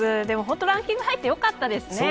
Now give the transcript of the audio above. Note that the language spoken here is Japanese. ランキングに入ってよかったですね。